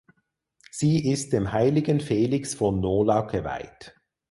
Sie ist dem heiligen Felix von Nola geweiht.